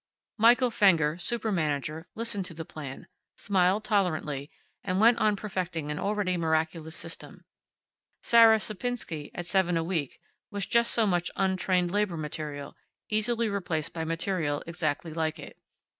Michael Fenger, Super Manager, listened to the plan, smiled tolerantly, and went on perfecting an already miraculous System. Sarah Sapinsky, at seven a week, was just so much untrained labor material, easily replaced by material exactly like it.